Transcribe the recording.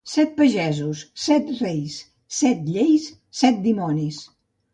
Set pagesos, set reis, set lleis, set dimonis.